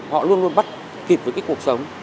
họ luôn luôn bắt kịp với cái cuộc sống